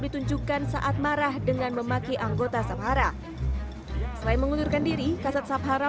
ditunjukkan saat marah dengan memaki anggota sabhara selain mengundurkan diri kasat sabhara